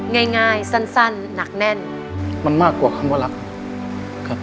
ง่ายง่ายสั้นสั้นหนักแน่นมันมากกว่าคำว่ารักครับ